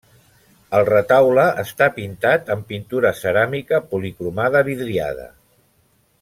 El retaule està pintat amb pintura ceràmica policromada vidriada.